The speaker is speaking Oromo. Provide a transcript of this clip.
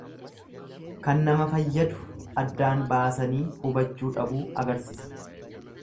Kan nama fayyadu addaan baasanii hubachuu dhabuu agarsisa.